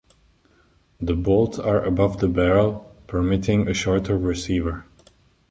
The bolts are above the barrel, permitting a shorter receiver.